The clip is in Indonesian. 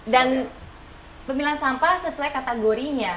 dan pemilahan sampah sesuai kategorinya